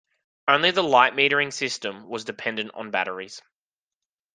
Only the light metering system was dependent on batteries.